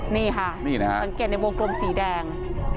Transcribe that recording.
นี่ค่ะสังเกตในวงกรมสีแดง